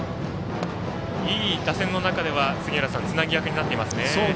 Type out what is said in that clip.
いい打線の中ではつなぎ役になっていますね。